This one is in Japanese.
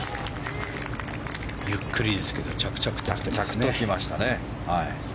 ゆっくりですけど着々とですね。